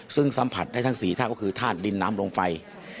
ซึ่งสัมผัสได้ทั้ง๔ธาตุก็คือธาตุดินน้ำลงไป